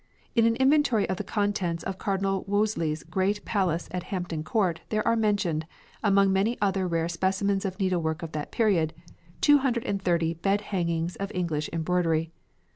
In an inventory of the contents of Cardinal Wolsey's great palace at Hampton Court there are mentioned, among many other rare specimens of needlework of that period, "230 bed hangings of English embroidery."